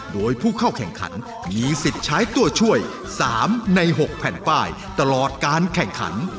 โดยผู้เข้าแข่งขันมีสิทธิ์ใช้ตัวช่วย๓ใน๖แผ่นป้ายตลอดการแข่งขัน